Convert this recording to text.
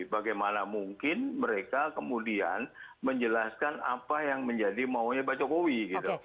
bagaimana mungkin mereka kemudian menjelaskan apa yang menjadi maunya pak jokowi gitu